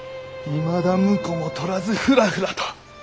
いまだ婿も取らずふらふらと！